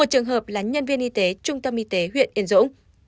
một trường hợp là nhân viên y tế trung tâm y tế huyện yên dũng